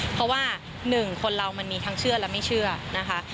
เพราะว่าหนึ่งคนเรามันมีทั้งเชื่อและไม่เชื่อนะคะ